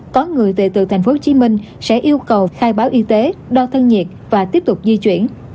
có người về từ tp hcm sẽ yêu cầu khai báo y tế đo thân nhiệt và tiếp tục di chuyển